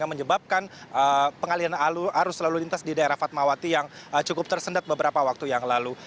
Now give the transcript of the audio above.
yang menyebabkan pengalian arus lalu lintas di daerah fatmawati yang cukup tersendat beberapa waktu yang lalu